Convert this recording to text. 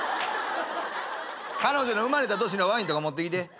彼女の生まれた年のワインとか持ってきて。